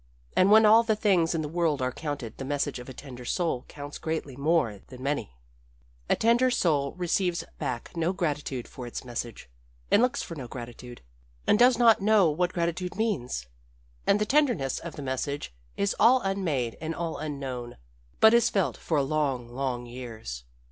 And when all the things in the world are counted the message of a tender soul counts greatly more than many. "A tender soul receives back no gratitude for its message, and looks for no gratitude, and does not know what gratitude means. And the tenderness of the message is all unmade and all unknown, but is felt for long, long years.